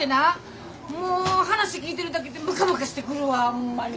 もう話聞いてるだけでムカムカしてくるわホンマに。